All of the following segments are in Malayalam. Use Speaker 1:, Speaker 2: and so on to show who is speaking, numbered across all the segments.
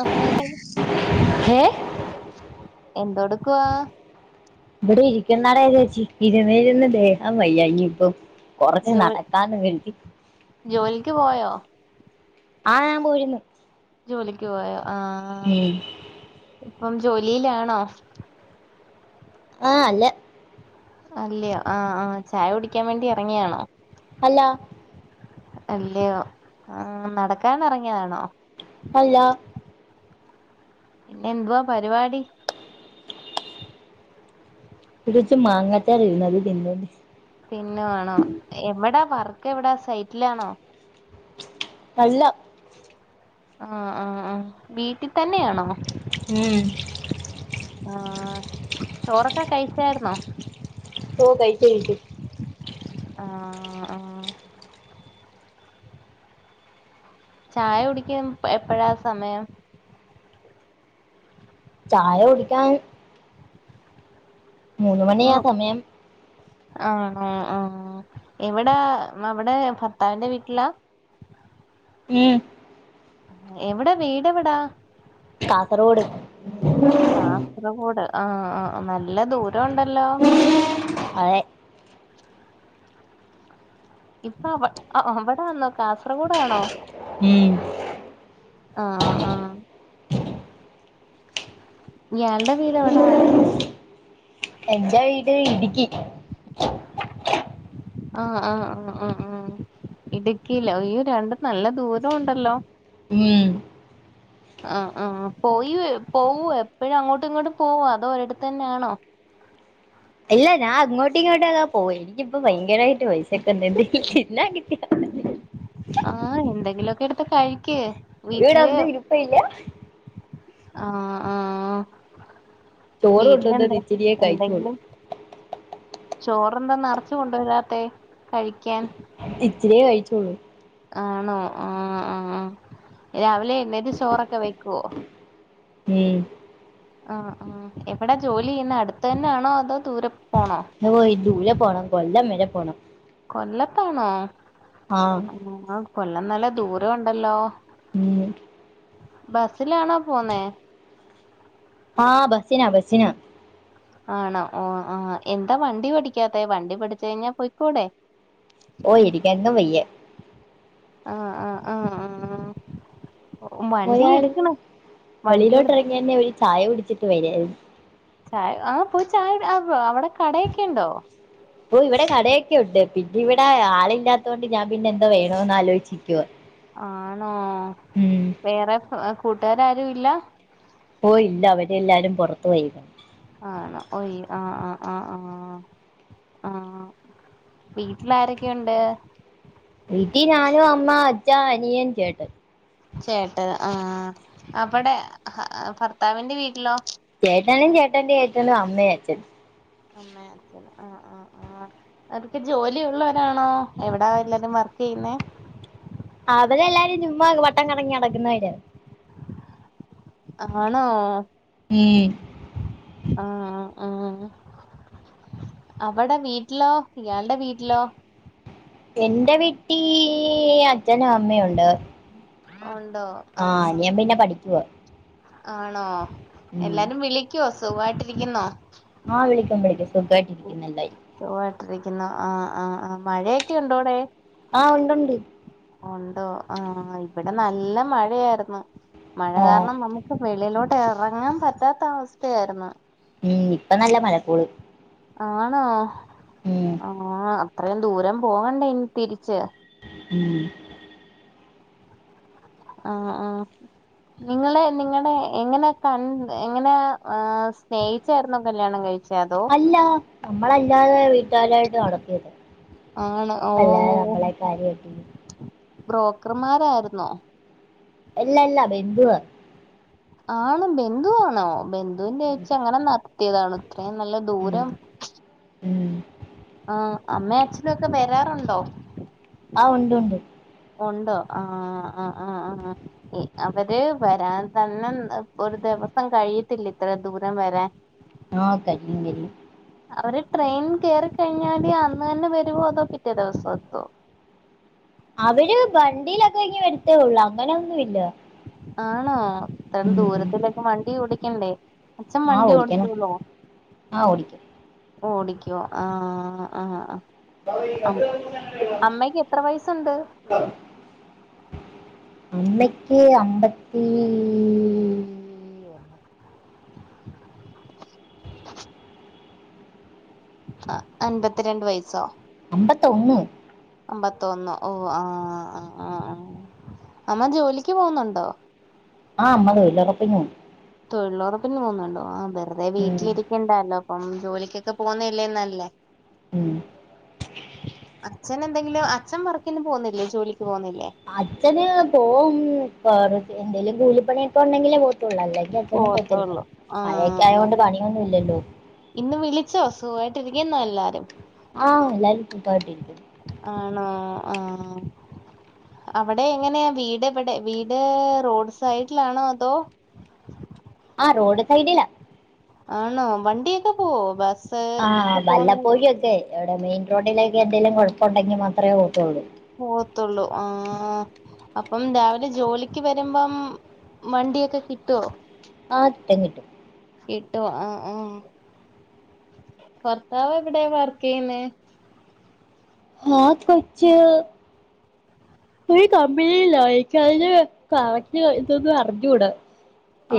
Speaker 1: അപ്പ എന്തയും
Speaker 2: ഹേ
Speaker 1: എന്തോടുക്കുവാ.
Speaker 2: ഇവിടെ ഇരിക്കുന്നടെ ചേച്ചി ഇരുന്ന് ഇരുന്ന് ദേഹം വയ്യാഞ്ഞിപ്പം. കൊറച്ച്
Speaker 1: ജോ
Speaker 2: നടക്കാന്ന് കരുതി.
Speaker 1: ജോലിക്ക് പോയോ.
Speaker 2: ആഹ് ഞാൻ പോയിര്ന്ന്.
Speaker 1: ജോലിക്ക് പോയോ ആഹ് ആഹ്
Speaker 2: ഉം.
Speaker 1: ഇപ്പം ജോലിയിലാണോ.
Speaker 2: ആ അല്ല.
Speaker 1: അല്ല്യ ആ ആ ചായ കുടിക്ക്യാൻ വേണ്ടി ഇറങ്ങിയാണോ.
Speaker 2: അല്ലാ.
Speaker 1: അല്ലിയോ ആ നടക്കാൻ എറങ്ങിയതാണോ.
Speaker 2: അല്ലാ.
Speaker 1: പിന്നെന്തുവാ പരിപാടി.
Speaker 2: ഇവിടെ ച്ചിരി മാങ്ങാച്ചാറ് ഇരുന്ന് അത് തിന്നോണ്ട് ഇരു
Speaker 1: തിന്നുവാണോ എവിടാ വർക്ക് എവിടാ സൈറ്റിലാണോ.
Speaker 2: അല്ല
Speaker 1: ആ ആ ആ വീട്ടി തന്നെയാണോ.
Speaker 2: ഉം.
Speaker 1: ആഹ് ആഹ് ചോറൊക്കെ കഴിച്ചായിര്ന്നോ.
Speaker 2: ഓ കയിച്ചു കയിച്ച്.
Speaker 1: ആഹ് ആഹ്. ചായ കുടിക്ക്യും പ എപ്പഴാ സമയം.
Speaker 2: ചായ കുടിക്കാൻ. മൂന്ന് മണിയാ
Speaker 1: മൂ
Speaker 2: സമയം.
Speaker 1: ആണോ ആഹ് എവിടാ അവിടെ ഭർത്താവിന്റെ വീട്ടിലാ.
Speaker 2: ഉം.
Speaker 1: എവിട വീട് എവിടാ.
Speaker 2: കാസർഗോഡ്.
Speaker 1: കാസർഗോഡ് ആഹ് ആഹ് നല്ല ദൂരൊണ്ടല്ലോ.
Speaker 2: അതെ.
Speaker 1: ഇപ്പ വ അവിടാന്നൊ കാസർഗോഡാണോ.
Speaker 2: ഉം.
Speaker 1: ആഹ് ആഹ്. ഇയാൾടെ വീടെവിടാ.
Speaker 2: എന്റെ വീട് ഇട്ക്കി.
Speaker 1: ആഹ് ആഹ് ആഹ് ആഹ് ആഹ്. ഇടുക്കിയിലോ അയ്യൊ രണ്ടും നല്ല ദൂരൊ ഉണ്ടല്ലോ.
Speaker 2: ഉം.
Speaker 1: ആഹ് ആഹ് പോയി വരു പോവ്യേ എപ്പഴു അങ്ങോട്ടു ഇങ്ങോട്ടും പോവാ അതോ എടുത്തന്നാണോ. തന്നെയാണോ
Speaker 2: ഇല്ല ഞാൻ അങ്ങോട്ടു ഇങ്ങോട്ടു ഒക്കെ പോയി എനിക്കിപ്പോ ഭയങ്കരായിട്ട് വെശക്കുന്ന് എന്തെങ്കില് തിന്നാ കിട്ടിയാ.
Speaker 1: ആഹ് എന്തെങ്കിലൊക്കെ എട്ത്ത് കഴിക്ക്.
Speaker 2: ഇവിടെ
Speaker 1: വീട്ടില്
Speaker 2: ഒന്നു ഇരിപ്പേ ഇല്ല.
Speaker 1: ആഹ് ആഹ്
Speaker 2: ചോറ് കൊണ്ടുവന്നത്
Speaker 1: വീട്ടിലെന്തെ
Speaker 2: ഇച്ചിരിയേ കഴിച്ചോളൂ
Speaker 1: എന്തെങ്കിലും. ചോറെന്താ നർച്ച് കൊണ്ടോരാതെ കഴിക്കാൻ
Speaker 2: ഇച്ചിരിയെ കയിച്ചൊള്ളൂ
Speaker 1: ആണോ ആഹ് ആഹ് രാവിലെ എഴ്ന്നേറ്റ് ചോറൊക്കെ വെയ്ക്കോ?
Speaker 2: ഉം
Speaker 1: ആഹ് ആഹ് എവിടെ ജോലിയ്യുന്നെ അടുത്ത് തന്നെണോ അതോ ദൂരെ പോണോ?
Speaker 2: അള്ളോയ് ദൂരെ പോണം. കൊല്ലം വെരെ പോണം
Speaker 1: കൊല്ലത്താണോ
Speaker 2: ആഹ്
Speaker 1: ആഹ് കൊല്ലം നല്ല ദൂരൊം ണ്ടല്ലോ
Speaker 2: ഉം
Speaker 1: ബസ്സിലാണോ പോന്നേ?
Speaker 2: ആഹ് ബസ്സിനാ ബസ്സിനാ
Speaker 1: ആണോ ഓഹ് ആഹ് എന്താ വണ്ടി പഠിക്കാതെ വണ്ടി പഠിച്ച് കഴിഞ്ഞാ പൊയ്കൂടെ
Speaker 2: ഓഹ് ഇനിക്കാൻന്നും വയ്യ
Speaker 1: ആഹ് ആഹ് ആഹ് ആഹ് വണ്ടി എടക്കണം. വണ്ടി എടു
Speaker 2: പിന്നെ യെന്നെ ഒരു ചായ കുടിച്ചിട്ട് വരായിരുന്നു.
Speaker 1: ചായ ആഹ് പോയി ചായ ആഹ് പ്പോ അവടെ കടയൊക്കെ ണ്ടോ?
Speaker 2: ഓഹ് ഇവിടെ കടയൊക്കെ ഉണ്ട്. പിന്നെ ഇവിടെ ആളില്ലാത്തോണ്ട് ഞാൻ പിന്നെ എന്തോ വേണോന്ന് ആലോജിക്കുവാ
Speaker 1: ആണോ
Speaker 2: ഉം
Speaker 1: വേറെ കൂട്ടാര് ആരും ഇല്ല.
Speaker 2: ഓഹ് ഇല്ല അവരെ എല്ലാരും പൊറത്ത് പേയേണ്.
Speaker 1: ആണോ. ഓയി ആഹ് ആഹ് ആഹ് ആഹ് ആഹ് വീട്ടിലാരൊക്കെ ഉണ്ട്?
Speaker 2: വീട്ടീ ഞാനും അമ്മ അച്ഛാ അനിയൻ ചേട്ടൻ.
Speaker 1: ചേട്ടൻ ആഹ് അവടെ ഹാ ഭർത്താവിന്റെ വീട്ടിലോ?
Speaker 2: ചേട്ടനും ചേട്ടൻ്റെ യേട്ടനും അമ്മയും അച്ഛനും
Speaker 1: അമ്മെ അച്ഛനും ആഹ് ആഹ് ആഹ് അവർക്ക് ജോലിള്ള രാണോ എവിടാ എല്ലാരും വർക്ക് യ്യ്ന്നേ.?
Speaker 2: ആഹ് അവരെല്ലാരും ചുമ്മാ വട്ടം കർങ്ങി നടക്കുന്നെ യ്കാരം.
Speaker 1: ആണോ.
Speaker 2: ഉം
Speaker 1: ആഹ് ആഹ് അവടെ വീട്ടിലോ? ഇയാൾടെ വീട്ട്ലോ?
Speaker 2: എൻ്റെ വിട്ടീ,, അച്ഛനും അമ്മയും ഉണ്ട്.
Speaker 1: ഉണ്ടോ ആഹ് ആഹ്
Speaker 2: പിന്നെ പഠിക്കുവാ
Speaker 1: ആണോ
Speaker 2: ഉം
Speaker 1: എല്ലാരും വിളി ക്യോ. സുഖായിട്ടിരിക്കുന്നോ?
Speaker 2: ആഹ് വിളിക്കും വിളിക്കും. സുഖായിട്ടിരിക്കുന്ന് ണ്ടായി.
Speaker 1: സുഖായിട്ടിരിക്കുന്നോ? ആഹ് ആഹ് ആഹ് മഴയൊക്കെ ഉണ്ടോ ടെ.
Speaker 2: ആഹ് ഉണ്ട് ണ്ട്.
Speaker 1: ഉണ്ടോ. ആഹ് ഇവിടെ നല്ല മഴെയിര്ന്ന്. മഴ
Speaker 2: ആ
Speaker 1: കാര്ണം നമുക്ക് ഹൊഹ് വെളിയിലോട്ട് എറങ്ങാം പറ്റാത്ത അവസ്ഥായാര്ന്ന്.
Speaker 2: ഉം ഇപ്പ നല്ല മഴക്കൂള്.
Speaker 1: ആണോ ആഹ് അത്രേം ദൂരം പോവണ്ടേ ഇനി തിരിച്ച്.
Speaker 2: ഉം
Speaker 1: ആഹ് ആഹ് നിങ്ങളെ നിങ്ങടെ എങ്ങനെ കൺ എങ്ങനെയാ ആഹ് സ്നേഹി ച്ചായ്ർന്നോ കല്ല്യാണം കഴിച്ചെ അതൊ
Speaker 2: ല്ല നമ്മളല്ലാതെ വീട്ടാരായിട്ട് നടത്തിയത്
Speaker 1: ആണ് ഓഹ്
Speaker 2: അല്ലാതെനമ്മളെയൊക്കാര് കെട്ടുന്നു
Speaker 1: ബ്രോക്കർമാരായിരുന്നോ
Speaker 2: എല്ലല്ലാ, ബെന്തുവാ
Speaker 1: ആണ്ബന്ധുവാണോ, ബന്ധുവിന്റെച്ചങ്ങനെനടത്തിയതാണൊ
Speaker 2: ഉം
Speaker 1: ഇത്രയുംനല്ലദൂരം
Speaker 2: ഉം
Speaker 1: ആഹ്അമ്മേ അച്ഛനൊക്കെ വരാറുണ്ടോ
Speaker 2: ആ ഉണ്ട്ഉണ്ട്
Speaker 1: ഉണ്ടോആഹ് ആആആ അവര് വരാൻതന്നെഒരുദിവസം കഴിയത്തില്ലേ ഇത്രേ ദൂരംവരാൻ
Speaker 2: ആഹ്കഴിയുംകഴിയും
Speaker 1: അവര് ട്രെയിൻകേറിക്കഴിഞ്ഞാല് അന്ന്തന്നെവരുവോഅതോപിറ്റേ ദിവസംഎത്തോ
Speaker 2: അവര് വണ്ടിയിലൊക്കെഇങ്ങ് വരുത്തേഒള്ളു അങ്ങനെഒന്നുഇല്ല
Speaker 1: ആണോ, ഇത്രയുംദൂരത്തിലക്കെ വണ്ടിഓടിക്കണ്ടേ
Speaker 2: ആ ഓടിക്കണം
Speaker 1: അച്ഛൻവണ്ടിഓടിച്ചൂളൂ
Speaker 2: ആ ഓടിക്കും
Speaker 1: ഓടിക്യു ആഹ്ആഹ്അഹ് അമ്അമ്മക്കെത്ര വയസ്സുണ്ട്
Speaker 2: അമ്മക്ക്അമ്പത്തീ
Speaker 1: അ അൻപത്തിരണ്ട് വയസ്സോ
Speaker 2: അമ്പത്തൊന്ന്
Speaker 1: അമ്പത്തൊന്ന്ഓആആആആ അമ്മജോലിക്ക്പോവുന്നുണ്ടോ
Speaker 2: ആഹ് അമ്മതൊഴിലൊറപ്പിനോവും
Speaker 1: തൊഴിലൊറപ്പിന്പോവുന്നുണ്ടോ. ആഹ് വെറുതെ
Speaker 2: ഉം
Speaker 1: വീട്ടിലിരിക്കണ്ടാലോ അപ്പംജോലിക്കൊക്കെ പോവുന്നയല്ലേ നല്ലെ
Speaker 2: ഉം.
Speaker 1: അച്ഛനെന്തെങ്കിലുംഅച്ഛൻ വർക്കിന് പോവുന്നില്ലേജോലിക്ക് പോവുന്നില്ലേ
Speaker 2: അച്ഛന്പോവും, കൊറഎന്തേലും കൂലിപ്പണിയൊക്കെഉണ്ടെങ്കിലേ പോവ തൊള്ളൂ, അല്ലെങ്കിഅച്ഛനും പോത്തില്ല
Speaker 1: പോവത്തൊള്ളൂ ആഹ്
Speaker 2: മഴയൊക്കായതോണ്ട്
Speaker 1: ആഹ്
Speaker 2: പണിയൊന്നുല്ലല്ലോ
Speaker 1: ഇന്ന് വിളിച്ചോ, സുഖവായിട്ടിരിക്കുന്നോഎല്ലാരും.
Speaker 2: ആഹ്എല്ലാരുംസുഖവായിട്ടിരിക്കുന്നു
Speaker 1: ആണോ ആഹ് അവിടെഎങ്ങനെയാവീടെവടെ എവിടെവീട് റോഡ്സൈഡിലാണോഅതോ
Speaker 2: ആഹ് റോഡ്സൈഡിലാ
Speaker 1: ആണോ വണ്ടിയൊക്കെപോവോ ബസ്
Speaker 2: ആഹ്
Speaker 1: ഒക്കെ പോകുന്നത്
Speaker 2: വല്ലപ്പോഴു ഒക്കെ, എവിടെ മെയിൻറോഡിലേക്കെന്തെലും കൊഴപ്പണ്ടെങ്കി മാത്രെ ഓട്ടൊള്ളൂ
Speaker 1: പോവത്തുള്ളൂ ആഹ്,, അപ്പം രാവിലെ ജോലിക്ക് വരുമ്പം മണ്ടിയൊക്കെകിട്ടോ
Speaker 2: ആഹ് കിട്ടും കിട്ടും
Speaker 1: കിട്ടും ആഹ് ആഹ് ഭർത്താവെവിടെയാ വർക്കെയ്യന്നെ
Speaker 2: ഹാ കൊച്ച് ഈകമ്പനീലഇക്ക് അയില് കറക്റ്റ് ഇതൊന്ന് അറിഞ്ഞുടാ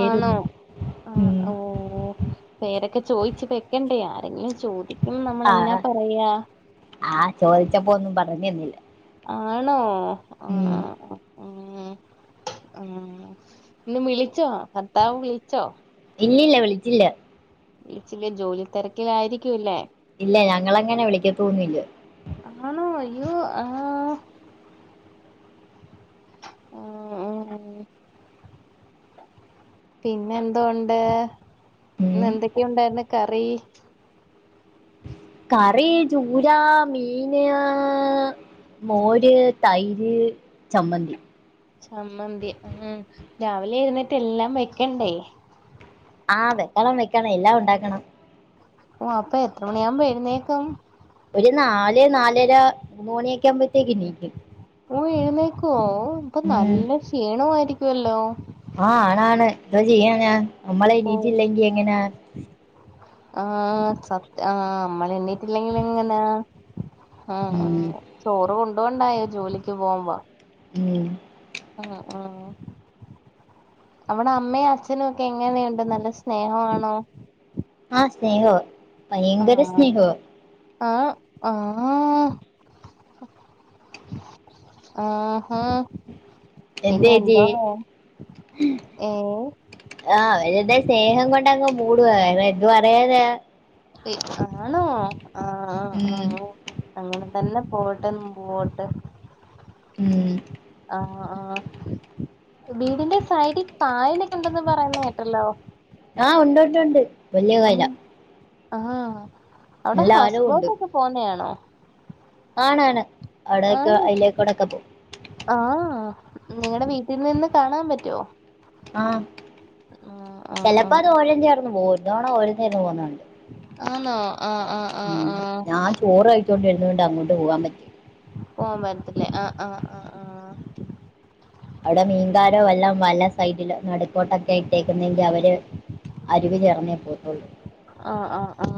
Speaker 1: ആണോ ആഹ് ഓഹ്പേരൊക്കെചോയിച് പെക്കണ്ടേആരെങ്കിലുംചോദി ക്കും നമ്മളെന്നാ
Speaker 2: ആഹ്
Speaker 1: പറയാ
Speaker 2: ആഹ് ചോയിച്ചപ്പോന്നും പറഞ്ഞിന്നില.
Speaker 1: ആണോ ആഹ് ഉം ഉം ഇന്ന് വിളിച്ചോ ഭർത്താവ് വിളിച്ചോ
Speaker 2: ഇല്ലില്ല വിളിച്ചില്ല
Speaker 1: വളിചില്ലേ ജോലി തെരക്കിലായിരിക്കുംല്ലേ
Speaker 2: ഇല്ല ഞങ്ങളങ്ങനെ വിളിക്കാതൊന്നില്ല
Speaker 1: ആണോ അയ്യോ ആഹ് ആഹ് ആഹ് പിന്നെന്തോണ്ട്
Speaker 2: ഉം
Speaker 1: ഇന്ന് എന്തൊക്കെയുണ്ടായിരുന്ന് കറി
Speaker 2: കറി ചൂരാ മീനാ മോര് തൈര് ചമ്മന്തി
Speaker 1: ചമ്മന്തി ഉം രാവിലെ എഴുനേറ്റ് എല്ലാം വെക്കണ്ടേ
Speaker 2: ആ വെക്കണം വെക്കണം എല്ലാം ഉണ്ടാക്കണം
Speaker 1: ഓ അപ്പൊ എത്ര മണിയാകുമ്പോ എഴുന്നേക്കും
Speaker 2: ഒരു നാല് നാലര മൂന്ന് മണിയൊക്കെ ആകുമ്പോഴത്തേക്ക് എണീക്കും
Speaker 1: ഓ എഴുന്നേക്കുവോ ഇപ്പൊ
Speaker 2: ഉം
Speaker 1: നല്ല ക്ഷീണം ആയിരിക്കുവല്ലോ
Speaker 2: ആ ആണ് ആണ് എന്താ ചെയ്യാനാ നമ്മളെ
Speaker 1: ഓ
Speaker 2: എണീട്ടില്ലെങ്കി എങ്ങനാ
Speaker 1: [inaudible] ആഹ് ആഹ് സത്യാ ആഹ് നമ്മൾ എണ്ണീട്ടില്ലെങ്കിൽ എങ്ങനാ ആ
Speaker 2: ഉം
Speaker 1: ചോറ് കൊണ്ടൊണ്ടായോ ജോലിക്ക് പോകുമ്പോ?
Speaker 2: ഉം
Speaker 1: ആഹ് ആഹ് അവിടെ അമ്മയും അച്ഛനും ഒക്കെ എങ്ങനെയുണ്ട് നല്ല സ്നേഹമാണോ?
Speaker 2: ആ സ്നേഹാ ഭയങ്കര സ്നേഹാ
Speaker 1: അ ആഹ് ആ ഹ
Speaker 2: എന്തേച്ചി
Speaker 1: പിന്നെന്തോ ഹേ ഏഹ്
Speaker 2: ആഹ് അവരുടെ സ്നേഹം കൊണ്ടങ്ങ് മൂടുവാ എന്ത് പറയാനാ
Speaker 1: ആണോ ആഹ്
Speaker 2: ഉം
Speaker 1: ആഹ് അങ്ങനെ തന്നെ പോകട്ടെ മുമ്പോട്ട്
Speaker 2: ഉം
Speaker 1: അഹ് ആഹ് വീടിന്റെ സൈഡിൽ കായലൊക്കെണ്ടന്ന് പറയുന്ന് കേട്ടല്ലോ
Speaker 2: ആഹ് ഉണ്ടുണ്ടുണ്ടുണ്ട് വലിയ
Speaker 1: ഉം
Speaker 2: കായലാ
Speaker 1: ആഹ് അവിടെ
Speaker 2: നല്ല
Speaker 1: ഹൗസ്
Speaker 2: ആഴവും ഉണ്ട്
Speaker 1: ബോട്ടൊക്കെ പോണ് ആണാ
Speaker 2: ആണാണ് അവിടക്ക് അയിലേക്കോടൊക്കെ പോകും
Speaker 1: ആഹ് നിങ്ങടെ വീട്ടിൽ നിന്നന്നെ കാണാൻ പറ്റോ
Speaker 2: ആഹ്
Speaker 1: ആഹ് ആഹ്
Speaker 2: ചിലപ്പോ
Speaker 1: ആഹ്
Speaker 2: അത് ഓരം ചേർന്ന് പോകും ഒരു തവണ ഓരം ചേർന്ന് പോകുന്ന കണ്ട്
Speaker 1: ആണോ
Speaker 2: ഉം ഞാൻ ചോറ് കഴിച്ചോണ്ടിരുന്നോണ്ട് അങ്ങോട്ട് പോകാൻ പറ്റി
Speaker 1: പോകൻ പറ്റത്തില്ലേ അഹ് അ അ ആഹ്
Speaker 2: അവിടെ മീൻകാരോ എല്ലാം വല സൈഡിലോ നടുക്കോട്ടൊക്കെ ഇട്ടേക്കുന്നെങ്കിൽ അവര് അരിവ് ചേർന്നേ പോകത്തുള്ളൂ
Speaker 1: അ അ ആ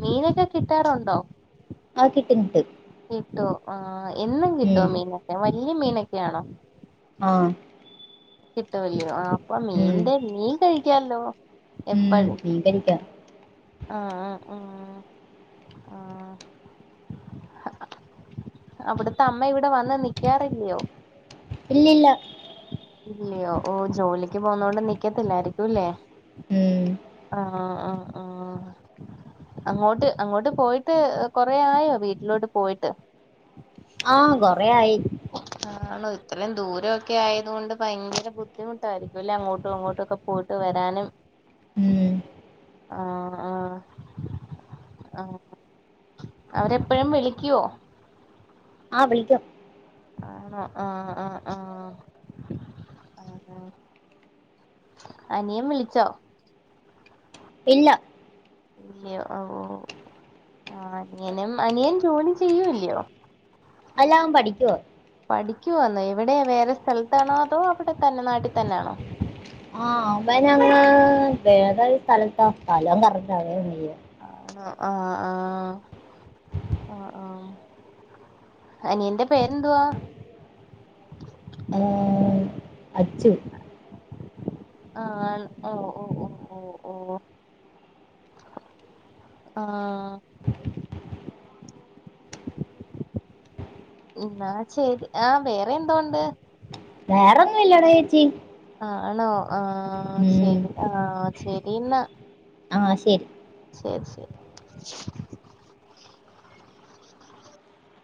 Speaker 1: മീനൊക്കെ കിട്ടാറുണ്ടോ
Speaker 2: ആ കിട്ടുംകിട്ടും
Speaker 1: കിട്ടോ ആ എന്നും കിട്ടോ മീനൊക്കെ വലിയ മീനൊക്കെയാണോ
Speaker 2: ആഹ്
Speaker 1: കിട്ടൂല്ലയോ അപ്പൊ
Speaker 2: ഉം
Speaker 1: മീന്റെ മീൻ കഴിക്കാല്ലോ
Speaker 2: ഉം
Speaker 1: എപ്പഴും
Speaker 2: മീൻ കടിക്കാം
Speaker 1: അ അ ആ ആ അവിടുത്തെ അമ്മ ഇവിടെ വന്ന് നിൽക്കാറില്ലിയോ
Speaker 2: ഇല്ലില്ല
Speaker 1: ഇല്ലയോ ഓ ജോലിക്ക് പോകുന്നത് കൊണ്ട് നിക്കത്തില്ലായിരിക്കുംല്ലേ
Speaker 2: ഉം
Speaker 1: അ അ അ ആ അങ്ങോട്ട് അങ്ങോട്ട് പോയിട്ട് കൊറേ ആയോ വീട്ടിലോട്ട് പോയിട്ട്
Speaker 2: ആ കൊറെയായി
Speaker 1: ആണോ ഇത്രയും ദൂരൊ- ഒക്കെ ആയത് കൊണ്ട് ഭയങ്കര ബുദ്ധിമുട്ടായിരിക്കും അല്ലെ അങ്ങോട്ടും ഇങ്ങോട്ടും ഒക്കെ പോയിട്ട് വരാനും
Speaker 2: ഉം
Speaker 1: ആഹ് ആഹ് ആഹ്. അവരെപ്പഴും വിളിക്കുവോ?
Speaker 2: ആഹ് വിളിക്കും.
Speaker 1: ആണോ ആഹ് ആഹ് ആഹ് ആഹ്. അനിയൻ വിളിച്ചോ?
Speaker 2: ഇല്ല.
Speaker 1: ഇല്ല്യേ ഓഹ് ഔ. ആഹ് അനിയനും അനിയൻ ജോലി ചെയ്യൂവല്ല്യോ?
Speaker 2: അല്ലവൻ പഠിക്കുവാ.
Speaker 1: പഠിക്കൂവാന്നോ എവിട്യാ വേറെ സ്ഥലത്താണോ അതോ അവിടെ തന്നെ നാട്ടി തന്നാണോ?
Speaker 2: ആഹ് അവനങ്ങ് വേറൊര് സ്ഥലത്താ സ്ഥലം കറക്റ്റ് അറിയാൻ വയ്യ.
Speaker 1: ആണോ ആഹ് ആഹ് ആഹ് ആഹ്. അനിയന്റെ പേരെന്തുവാ?
Speaker 2: ഏഹ് അച്ചു.
Speaker 1: ആണ് ഓ ഓ ഓ ഓ ഓ. ആഹ്. ന്നാ ശെരി, ആഹ് വേറെ എന്തോണ്ട്?
Speaker 2: വേറെന്നും ഇല്ലടെ ചേച്ചി.
Speaker 1: ആണോ ആഹ്
Speaker 2: ഉം
Speaker 1: ശെരി ആഹ് ശെരി എന്നാ.
Speaker 2: ആഹ് ശെരി.
Speaker 1: ശെരി ശെരി.